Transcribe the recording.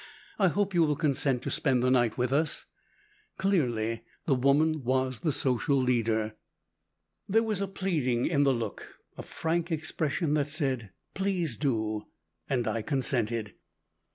I hope you will consent to spend the night with us;" clearly the woman was the social leader. There was a pleading in the look, a frank expression that said, Please do, and I consented.